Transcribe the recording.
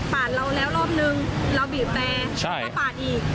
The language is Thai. เราแล้วรอบนึงเราบีบแต่ก็ปาดอีก